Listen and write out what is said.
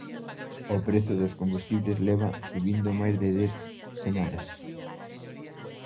O prezo dos combustibles leva subindo máis de dez semanas.